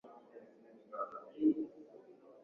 hutokana na mmea huitwao kitaalamu opium poppy